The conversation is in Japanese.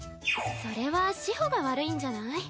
それは志穂が悪いんじゃない？